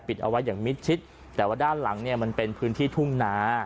เอาไว้อย่างมิดชิดแต่ว่าด้านหลังเนี่ยมันเป็นพื้นที่ทุ่งนา